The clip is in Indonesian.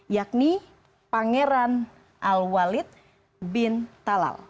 yakni pangeran al walid bin talal